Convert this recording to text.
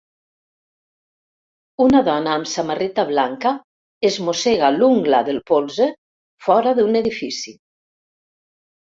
Una dona amb samarreta blanca es mossega l'ungla del polze fora d'un edifici.